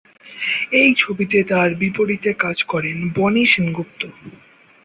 এই ছবিতে তার বিপরীতে কাজ করেন বনি সেনগুপ্ত।